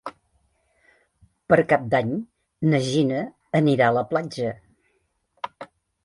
Per Cap d'Any na Gina anirà a la platja.